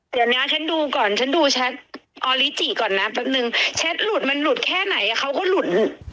เดี๋ยวนะฉันดูก่อนฉันดูแชทออริจิก่อนนะแป๊บนึงแชทหลุดมันหลุดแค่ไหนเขาก็หลุด